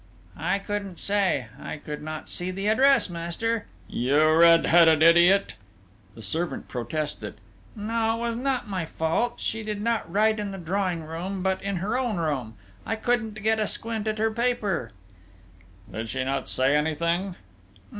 "I couldn't say.... I could not see the address, master...." "You red headed idiot!" The servant protested. "No, it was not my fault!... She did not write in the drawing room, but in her own room.... I couldn't get a squint at her paper...." "Did she not say anything?"